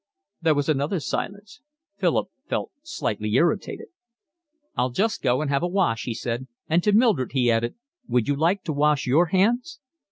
There was another silence. Philip felt slightly irritated. "I'll just go and have a wash," he said, and to Mildred he added: "Would you like to wash your hands?"